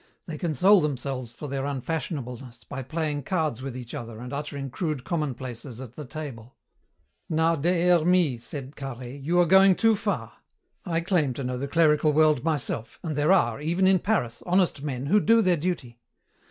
They console themselves for their unfashionableness by playing cards with each other and uttering crude commonplaces at the table." "Now, Des Hermies," said Carhaix, "you are going too far. I claim to know the clerical world myself, and there are, even in Paris, honest men who do their duty.